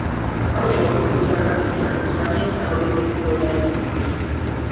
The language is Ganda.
Noolwekyo bwe mutunuulira kabineeti yange mukimanye nti n'agoberedde kkubo lya Yesu Kristo.